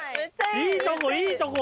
いいとこいいとこ！